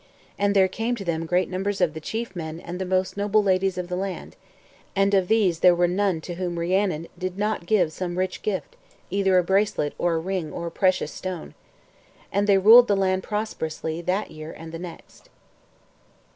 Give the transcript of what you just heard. And there came to them great numbers of the chief men and the most noble ladies of the land, and of these there were none to whom Rhiannon did not give some rich gift, either a bracelet, or a ring, or a precious stone. And they ruled the land prosperously that year and the next.